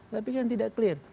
tapi kan tidak clear